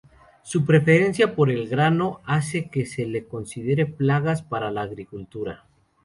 Su preferencia por el grano hace que se les considere plagas para la agricultura.